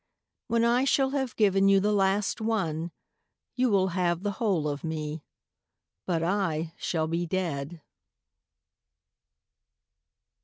When I shall have given you the last one, You will have the whole of me, But I shall be dead.